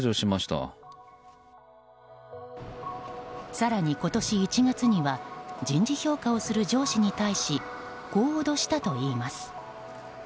更に、今年１月には人事評価をする上司に対しこう脅したといいます。